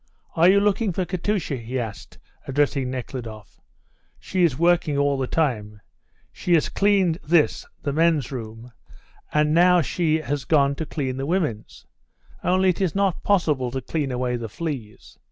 "Are you looking for Katusha?" he asked, addressing Nekhludoff. "She is working all the time. She has cleaned this, the men's room, and now she has gone to clean the women's! Only it is not possible to clean away the fleas.